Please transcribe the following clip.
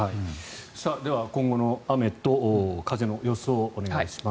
では、今後の雨と風の予想をお願いします。